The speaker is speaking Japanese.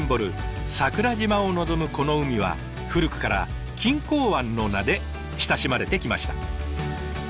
桜島を望むこの海は古くから「錦江湾」の名で親しまれてきました。